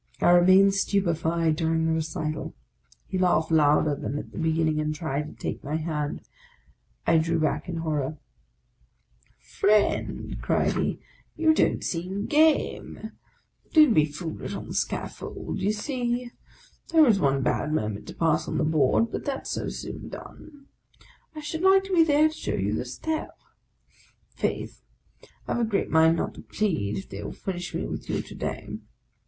] remained stupefied during the recital. He laughed louder than at the beginning, and tried to take my hand. I drew back in horror. '" Friend," cried he, " you don't seem game. Don't be foolish on the scaffold : d' ye see ? There is one bad moment to pass on the board, but that's so soon done. I should like to be there to show you the step ! Faith, I've a great mind not to plead, if they will finish me with you to day.